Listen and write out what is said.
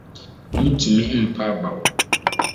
Mintumi mpa abaw.